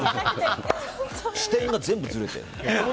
視点が全部ずれてるの。